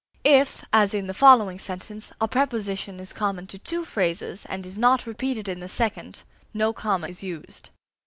If, as in the following sentence, a preposition is common to two phrases, and is not repeated in the second, no comma is used.